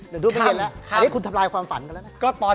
ไม่เย็นแล้วอันนี้คุณทัมลายความฝันกันแล้วนะครับ